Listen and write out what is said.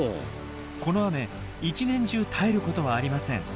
この雨一年中絶えることはありません。